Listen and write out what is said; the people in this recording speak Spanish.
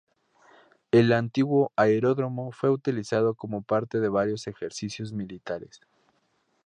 El antiguo aeródromo fue utilizado como parte de varios ejercicios militares.